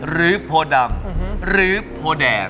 โพดำหรือโพแดง